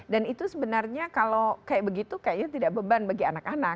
dan itu sebenarnya kalau kayak begitu kayaknya tidak beban bagi anak anak